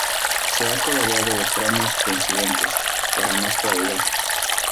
Se ha coloreado los tramos coincidentes, para más claridad.